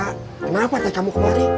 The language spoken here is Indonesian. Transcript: kenapa tadi kamu kelari